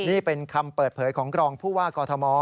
นี่เป็นคำเปิดเผยของกรองผู้ว่ากอทม